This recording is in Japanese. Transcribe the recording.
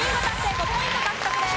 ５ポイント獲得です。